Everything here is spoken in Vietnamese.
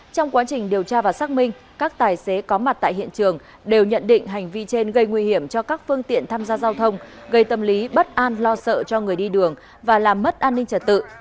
trong quá trình điều tra và xác minh các tài xế có mặt tại hiện trường đều nhận định hành vi trên gây nguy hiểm cho các phương tiện tham gia giao thông gây tâm lý bất an lo sợ cho người đi đường và làm mất an ninh trật tự